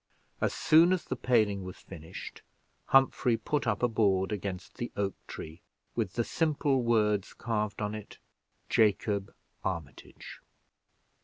As soon as the paling was finished, Humphrey put up a board against the oak tree, with the simple words carved on it, "Jacob Armitage."